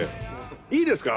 いいですか？